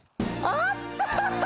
あった！